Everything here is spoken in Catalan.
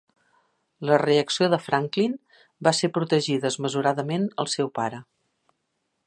La reacció de Franklin va ser protegir desmesuradament el seu pare.